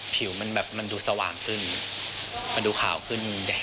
ผิวมันแบบมันดูสว่างขึ้นมันดูขาวขึ้นใหญ่